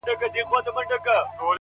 • زه به هم داسي وكړم ـ